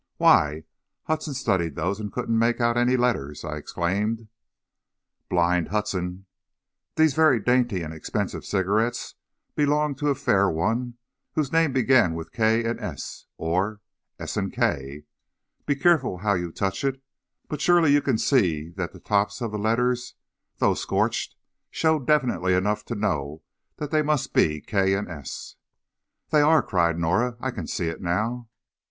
"Why, Hudson studied those and couldn't make out any letters," I exclaimed. "Blind Hudson! These very dainty and expensive cigarettes belonged to a fair one, whose name began with K and S, or S and K. Be careful how you touch it, but surely you can see that the tops of the letters though scorched, show definitely enough to know they must be K and S." "They are!" cried Norah; "I can see it now."